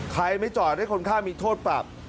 ไม่จอดให้คนข้ามมีโทษปรับ